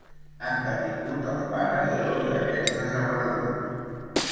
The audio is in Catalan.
Han detingut els pares de dos d'aquests desapareguts.